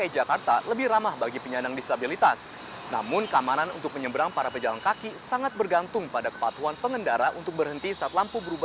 jembatan penyeberangan orang